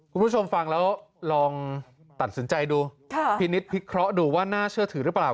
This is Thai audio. คุณผู้ชมฟังแล้วลองตัดสินใจดูพินิษฐพิเคราะห์ดูว่าน่าเชื่อถือหรือเปล่า